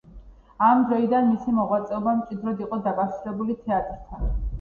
ამ დროიდან მისი მოღვაწეობა მჭიდროდ იყო დაკავშირებული თეატრთან.